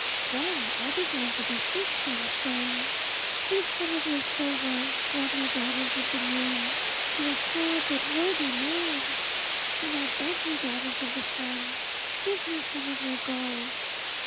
Then I began to beseech them, saying: "Give some of your silver, lovely daughters of the Moon, to a poor but worthy maid; and I beg you, daughters of the Sun, give me some of your gold."